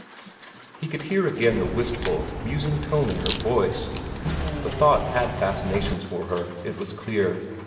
He could hear again the wistful, musing tone of her voice. The thought had fascinations for her, it was clear.